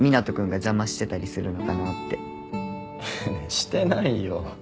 してないよ。